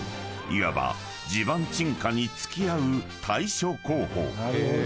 ［いわば地盤沈下に付き合う対処工法］